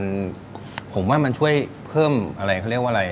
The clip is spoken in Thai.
มันผมว่ามันช่วยเพิ่มอะไรเขาเรียกว่าอะไร